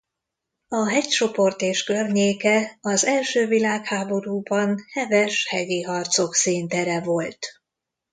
A hegycsoport és környéke az első világháborúban heves hegyi harcok színtere volt.